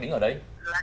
đứng ở đấy